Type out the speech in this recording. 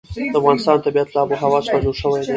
د افغانستان طبیعت له آب وهوا څخه جوړ شوی دی.